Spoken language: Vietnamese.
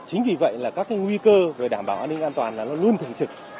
chính vì vậy là các nguy cơ về đảm bảo an ninh an toàn là luôn luôn thường trực